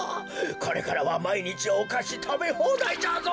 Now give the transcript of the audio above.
これからはまいにちおかしたべほうだいじゃぞ。